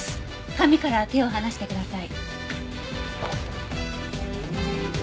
紙から手を離してください。